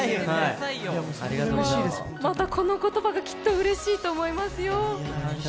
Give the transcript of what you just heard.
またこの言葉がきっとうれしいと思いますよ。